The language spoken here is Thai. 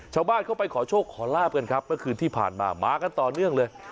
ชาวบ้านเข้าไปขอโชคขอลาบกันครับเมื่อคืนที่ผ่านมามากันต่อเนื่องเลย